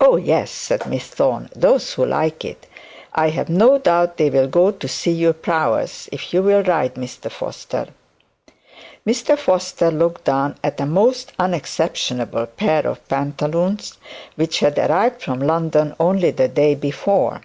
'Oh, yes,' said Miss Thorne; 'those who like it; I have no doubt they'll go to see your prowess, if you'll ride, Mr Foster.' Mr Foster looked down at a most unexceptionable pair of pantaloons, which had arrived from London only the day before.